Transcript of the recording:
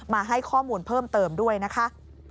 มาให้ข้อมูลเพิ่มเติมด้วยนะคะ